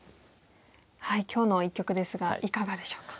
今日の一局ですがいかがでしょうか？